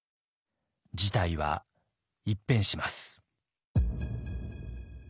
事態は一変します。